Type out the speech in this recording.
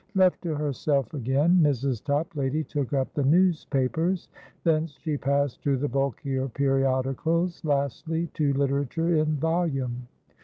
Left to herself again, Mrs. Toplady took up the newspapers; thence she passed to the bulkier periodicals; lastly, to literature in volume.